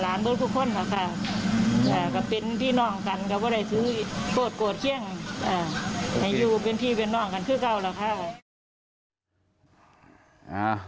ให้อยู่เป็นพี่เป็นนองกันคือเก่าแหละค่ะ